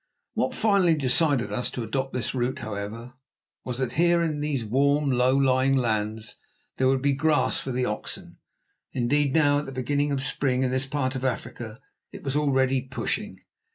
What finally decided us to adopt this route, however, was that here in these warm, low lying lands there would be grass for the oxen. Indeed, now, at the beginning of spring, in this part of Africa it was already pushing.